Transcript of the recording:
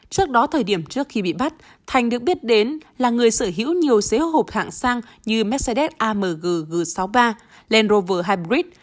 trước đó thời điểm trước khi bị bắt thành được biết đến là người sở hữu nhiều xế hộp hạng sang như mercedes amg g sáu mươi ba len rover hybrid